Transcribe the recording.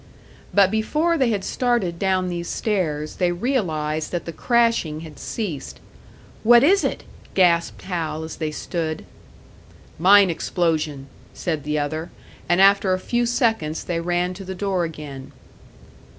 But before they had started down these stairs, they realised that the crashing had ceased. "What is it?" gasped Hal, as they stood. "Mine explosion," said the other; and after a few seconds they ran to the door again.